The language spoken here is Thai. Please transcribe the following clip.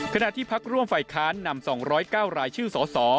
ขณะที่พักร่วมฝ่ายค้านนำ๒๐๙รายชื่อสส